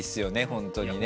本当にね。